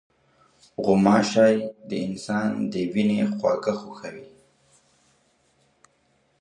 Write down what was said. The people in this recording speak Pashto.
غوماشې د انسان د وینې خواږه خوښوي.